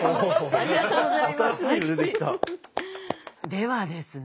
ではですね